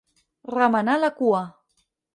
Remenar la cua.